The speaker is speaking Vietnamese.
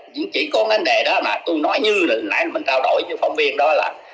chỉ có vấn đề đó mà tôi nói như lần nãy mình trao đổi với phóng viên đó là